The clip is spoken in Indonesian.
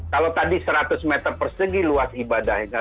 kalau tadi seratus meter persegi luas ibadahnya